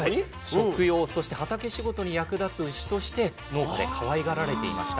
食用そして畑仕事に役立つ牛として農家でかわいがられていました。